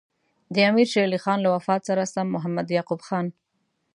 د امیر شېر علي خان له وفات سره سم محمد یعقوب خان.